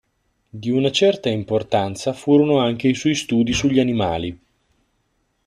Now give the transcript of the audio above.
Di una certa importanza furono anche i suoi studi sugli animali.